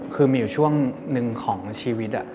คือมีอยู่ช่วงหนึ่งของชีวิต